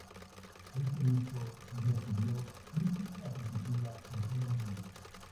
Este disco recibió crítica positiva en todo el mundo.